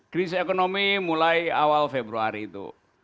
kris ekonomi mulai awal februari itu